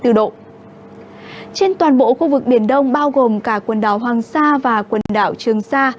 trên toàn bộ khu vực biển đông bao gồm cả quần đảo hoàng sa và quần đảo trường sa